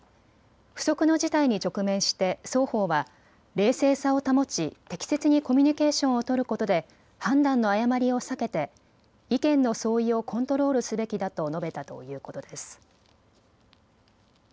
不測の事態に直面して双方は冷静さを保ち適切にコミュニケーションを取ることで判断の誤りを避けて意見の相違をコントロールすべきだと述べたということです。